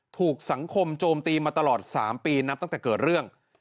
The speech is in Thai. ถูกสังคมโจมตีมาตลอด๓ปีนับตั้งแต่เกิดเรื่อง